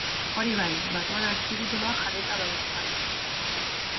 Hori bai, batuan azpitituluak jarrita badaezpada.